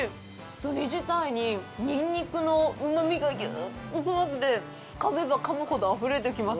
鶏自体にニンニクのうまみがぎゅうっと詰まっててかめばかむほどあふれてきます。